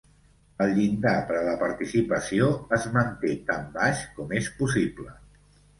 El llindar per a la participació es manté tant baix com és possible.